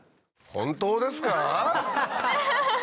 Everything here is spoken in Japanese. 本当ですか？